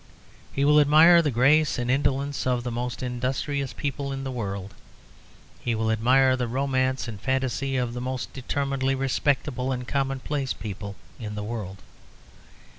He will admire the grace and indolence of the most industrious people in the world. He will admire the romance and fantasy of the most determinedly respectable and commonplace people in the world.